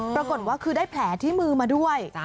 ปรากฏว่าคือได้แผลที่มือมาด้วย